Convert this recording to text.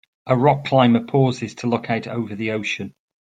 A rock climber pauses to look out over the ocean.